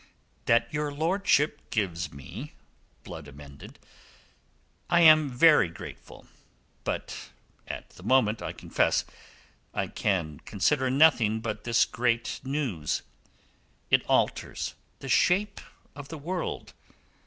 "That your lordship gives me," Blood amended, "I am very grateful. But at the moment, I confess, I can consider nothing but this great news. It alters the shape of the world.